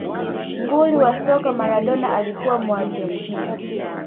nguli wa soka maladona alikuwa muargentina